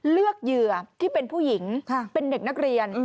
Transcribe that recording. เหยื่อที่เป็นผู้หญิงเป็นเด็กนักเรียน